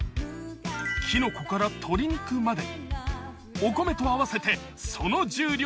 キノコから鶏肉までお米と合わせてその重量